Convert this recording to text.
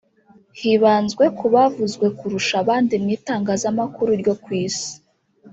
hibanzwe ku bavuzwe kurusha abandi mu itangazamakuru ryo ku isi